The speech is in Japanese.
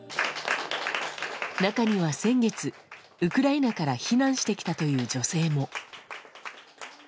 中には先月、ウクライナから避難してきたという女性も。